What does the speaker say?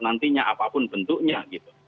nantinya apapun bentuknya gitu